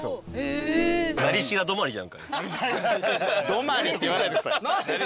「止まり」って言わないでください。